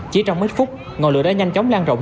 chỉ trong ít phút ngọn lửa đã nhanh chóng lan rộng